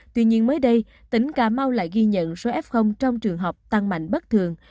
tuy nhiên mới đây tỉnh cà mau lại ghi nhận số f trong trường hợp tăng mạnh bất thường